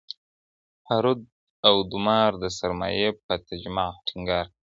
هارود او دومار د سرمایې پر تجمع ټینګار کاوه.